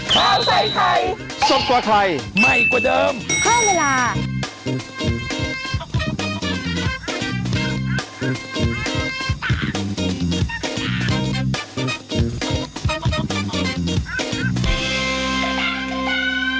ข้าวใส่ไทยสดกว่าไทยใหม่กว่าเดิมเพิ่มเวลา